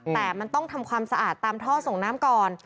แต่มันต้องทำความสะอาดตามท่อส่งน้ำก่อน